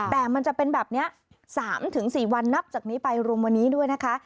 แต่มันจะเป็นแบบนี้๓๔วันนับจากนี้ไปรวมวันนี้ด้วยนะคะ